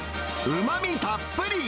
うまみたっぷり！